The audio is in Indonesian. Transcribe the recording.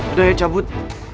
udah ya cabut